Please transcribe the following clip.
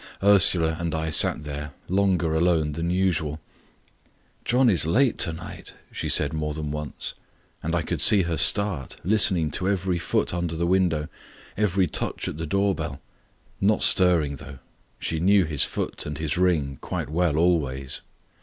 Ursula and I sat there, longer alone than usual. "John is late to night," she said more than once; and I could see her start, listening to every foot under the window, every touch at the door bell; not stirring, though: she knew his foot and his ring quite well always.